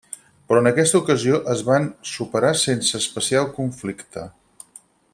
Però en aquesta ocasió es van superar sense especial conflicte.